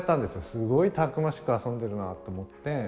すごくたくましく遊んでるなあと思って。